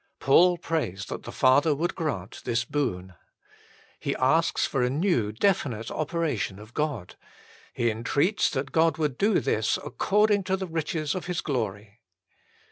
Paul prays that the Father would grant this boon. He asks for a new, definite operation of God. He entreats that God would do this according to the riches of His glory.